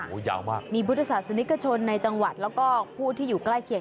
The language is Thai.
โอ้โหยาวมากมีพุทธศาสนิกชนในจังหวัดแล้วก็ผู้ที่อยู่ใกล้เคียง